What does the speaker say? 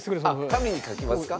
紙に書きますか？